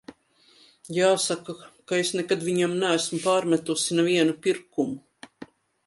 Jāsaka, ka es nekad viņam neesmu pārmetusi nevienu pirkumu.